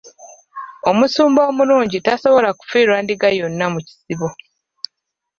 Omusumba omulungi tasobola kufiirwa ndiga yonna mu kisibo.